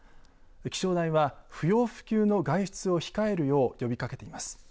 気象台は不要不急の外出を控えるよう呼びかけています。